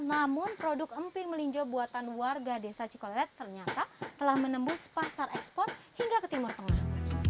namun produk emping melinjo buatan warga desa cikolelet ternyata telah menembus pasar ekspor hingga ke timur tengah